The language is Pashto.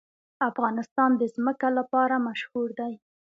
افغانستان د ځمکه لپاره مشهور دی.